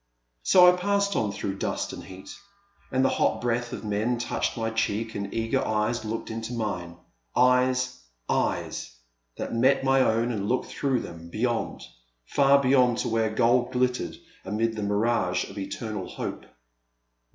So I passed on through dust and heat ; and the hot breath of men touched my cheek and eager eyes looked into mine. Eyes, eyes, — ^that met my own and looked through them, beyond — ^far beyond to where gold glittered amid the mirage of eternal hope.